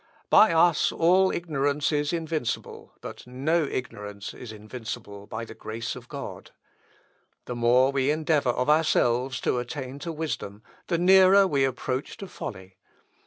By us all ignorance is invincible, but no ignorance is invincible by the grace of God. The more we endeavour of ourselves to attain to wisdom, the nearer we approach to folly.